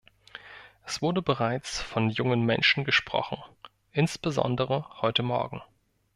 Es wurde bereits von jungen Menschen gesprochen, insbesondere heute Morgen.